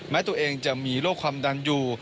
แม้ตัวเองจะมีโรคความดันอยู่